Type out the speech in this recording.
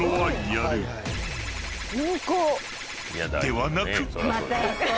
［ではなく］